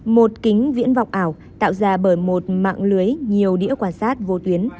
một kính viễn vọng ảo tạo ra bởi một mạng lưới nhiều đĩa quan sát vô tuyến